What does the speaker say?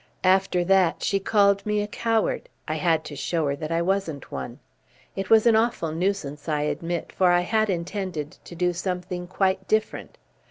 After that, she called me a coward. I had to show her that I wasn't one. It was an awful nuisance, I admit, for I had intended to do something quite different.